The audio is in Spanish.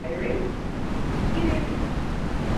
Esta especie se encuentra en Kenia y Tanzania.